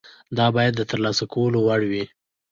دا باید د ترلاسه کولو وړ وي.